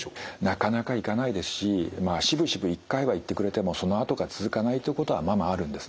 なかなか行かないですしまあしぶしぶ一回は行ってくれてもそのあとが続かないっていうことはままあるんですね。